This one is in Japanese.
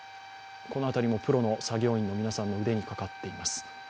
この辺りもプロの作業員の皆さんの腕にかかっています。